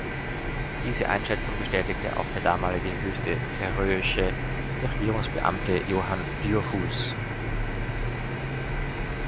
Diese Einschätzung bestätigte auch der damalige höchste färöische Regierungsbeamte Johan Djurhuus.